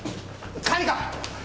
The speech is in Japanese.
管理官！